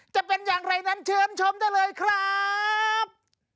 จะเป็นอย่างไรนั้นเชิญชมได้เลยครับ